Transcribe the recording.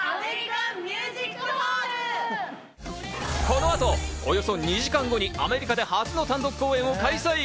この後、およそ２時間後にアメリカで初の単独公演を開催。